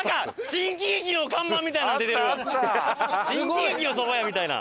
新喜劇の蕎麦屋みたいな。